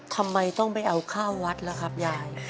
ทำไมต้องไปเอาข้าววัดล่ะครับยาย